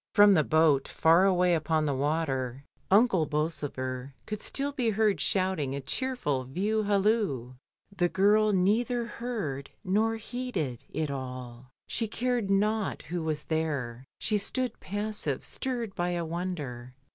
From the boat, far away upon the water. Uncle Bol 170 MRS. DYMOND. sover could still be heard shouting a cheerful view halloo. The girl neither heard nor heeded it all; she cared not who was there, she stood passive, stirred by a wonder.